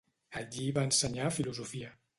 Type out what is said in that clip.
Allí va ensenyar filosofia.